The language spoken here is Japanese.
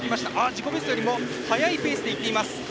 自己ベストよりも速いペースでいっています。